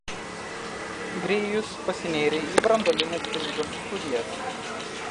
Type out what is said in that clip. Grėjus pasinėrė į branduolinės fizikos studijas.